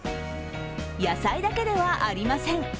野菜だけではありません。